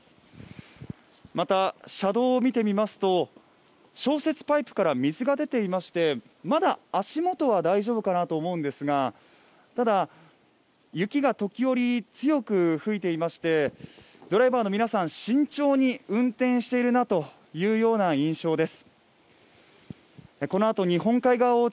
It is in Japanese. また、車道を見てみますと、消雪パイプから水が出ていまして、まだ足元は大丈夫かなと思うんですが、ただ、雪が時折強く吹いていまして、ドライバーの皆さん慎重に運転しているなというような印象です。